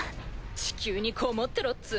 地球にこもってろっつぅの。